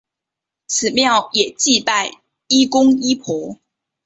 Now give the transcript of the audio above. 此庙也祭拜医公医婆。